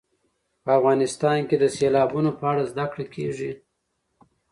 په افغانستان کې د سیلابونو په اړه زده کړه کېږي.